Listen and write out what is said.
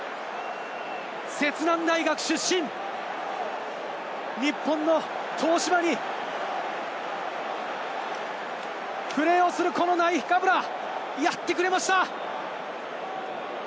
摂南大学出身、日本の東芝でプレーをするナイカブラ、やってくれました！